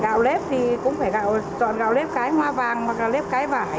gạo lếp thì cũng phải chọn gạo lếp cái hoa vàng hoặc là gạo lếp cái vải